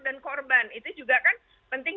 dan korban itu juga kan penting